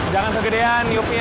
jangan kegedean yuknya